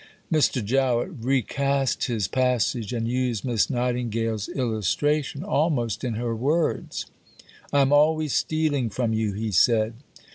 Mr. Jowett recast his passage, and used Miss Nightingale's illustration, almost in her words. "I am always stealing from you," he said.